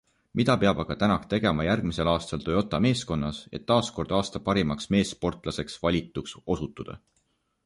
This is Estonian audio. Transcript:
Mida peab aga Tänak tegema järgmisel aastal Toyota meeskonnas, et taaskord aasta parimaks meessportlaseks valituks osutuda?